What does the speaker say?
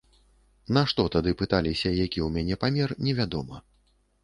Нашто тады пыталіся, які ў мяне памер, невядома.